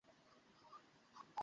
এখান থেকে বের হতে হবে আমাদের।